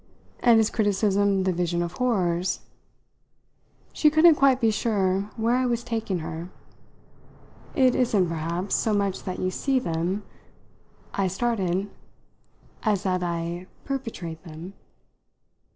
"And is criticism the vision of horrors?" She couldn't quite be sure where I was taking her. "It isn't, perhaps, so much that you see them " I started. "As that I perpetrate them?"